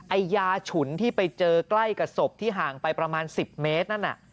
ไอ้ยาฉุนที่ไปเจอใกล้กับศพที่ห่างไปประมาณ๑๐เมตรนั่นน่ะ